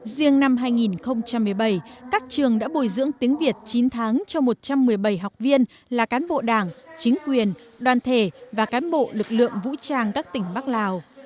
riêng năm hai nghìn một mươi bảy các trường đã bồi dưỡng tiếng việt chín tháng cho một trăm một mươi bảy học viên là cán bộ đảng chính quyền đoàn thể và cán bộ lực lượng vũ trang các tỉnh bắc lào